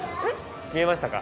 見えましたか？